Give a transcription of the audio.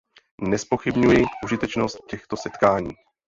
Nezpochybňuji užitečnost těchto setkání.